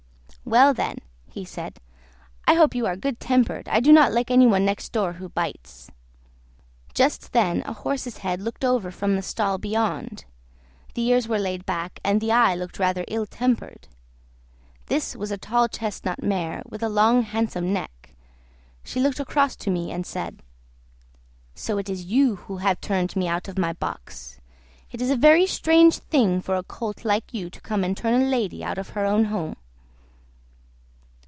"Well, then," he said, "I hope you are good tempered; I do not like any one next door who bites." Just then a horse's head looked over from the stall beyond; the ears were laid back, and the eye looked rather ill tempered. This was a tall chestnut mare, with a long handsome neck. She looked across to me and said: "So it is you who have turned me out of my box; it is a very strange thing for a colt like you to come and turn a lady out of her own home."